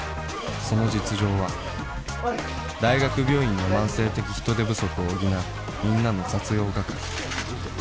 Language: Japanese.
その実情は大学病院の慢性的人手不足を補うみんなの雑用係